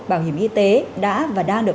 bảo hiểm y tế đã và đang được